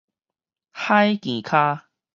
海墘跤